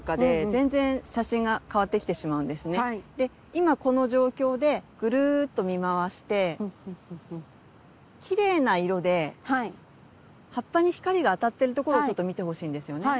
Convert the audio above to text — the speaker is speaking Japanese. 今この状況でぐるっと見回してきれいな色で葉っぱに光があたってるところをちょっと見てほしいんですよね。